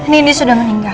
nini sudah meninggal